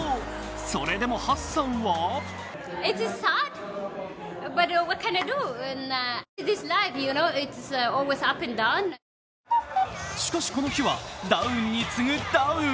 それでもハッサンはしかしこの日は、ダウンに次ぐダウン。